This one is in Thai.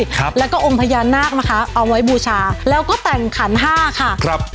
ครับแล้วก็องค์พญานาคนะคะเอาไว้บูชาแล้วก็แต่งขันห้าค่ะครับ